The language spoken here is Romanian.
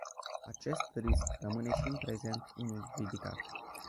Acest risc rămâne și în prezent unul ridicat.